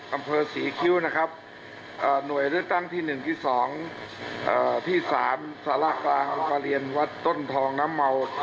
อำเภอศรีคิ้วนะครับหน่วยเลือกตั้งที่๑ที่๒ที่๓สารกลางประเรียนวัดต้นทองน้ำเมา